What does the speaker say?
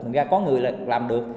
thực ra có người làm được